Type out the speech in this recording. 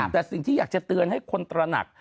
แต่สิ่งที่อยากจะเตือนให้คนตระหนัก